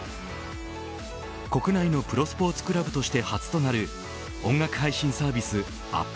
国内のプロスポーツクラブとして初となる音楽配信サービス